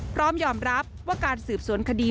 พร้อมยอมรับว่าการสืบสวนคดี